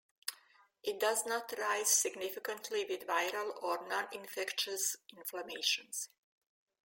It does not rise significantly with viral or non-infectious inflammations.